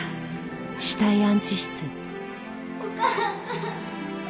お母さん！